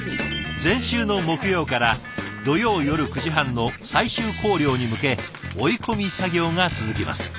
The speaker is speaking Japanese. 前週の木曜から土曜夜９時半の最終校了に向け追い込み作業が続きます。